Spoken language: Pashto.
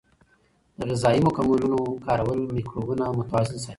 د غذایي مکملونو کارول مایکروبونه متوازن ساتي.